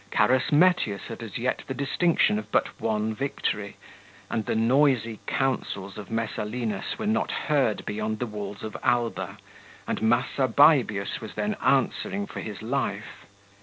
Carus Metius had as yet the distinction of but one victory, and the noisy counsels of Messalinus were not heard beyond the walls of Alba, and Massa Baebius was then answering for his life.